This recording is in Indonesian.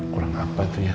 kurang apa tuh ya